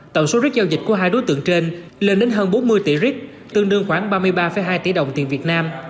tổng số rớt giao dịch của hai đối tượng trên lên đến hơn bốn mươi tỷ rit tương đương khoảng ba mươi ba hai tỷ đồng tiền việt nam